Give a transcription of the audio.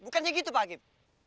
bukannya gitu pak hakim